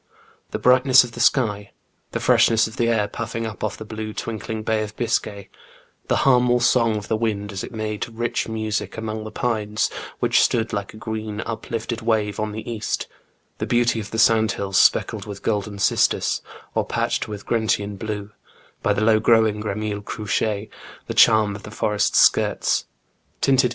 The brightness of the sky, the freshness of the air puffing up off the blue twinkling Bay of Biscay, the hum or song of the wind as it made rich music among the pines which stood like a green uplifted wave on the East, the beauty of the sand hills speckled with golden cistus, or patched with gentian blue, by the low growing Gremille couch^e, the charm of the forest skirts, tinted 86 THE BOOK OF WERE WOLVES.